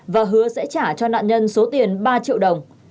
và hứa sẽ trả cho nạn nhân số tiền ba triệu đồng